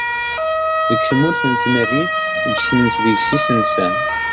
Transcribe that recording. Deg tmurt n tmerrit ggten deg-s yisensa.